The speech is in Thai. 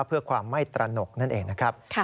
นี่แหละนี่แหละนี่แหละนี่แหละ